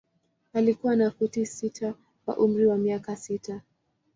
Alikuwa na futi sita kwa umri wa miaka sita.